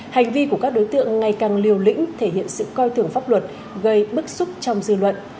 hành vi của các đối tượng ngày càng liều lĩnh thể hiện sự coi thường pháp luật gây bức xúc trong dư luận